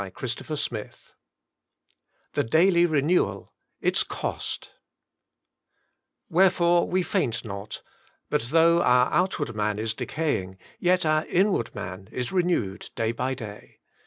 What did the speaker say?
CHAPTER XXVIII THE DAILY RENEWAL — ITS COST " Wherefore we faint not ; but though our outward man is decaying, yet our inward man is renewed day by day."